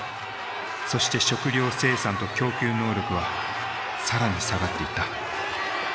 そして食料生産と供給能力は更に下がっていった。